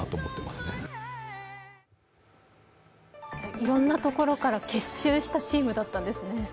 いろんなところから結集したチームだったんですね。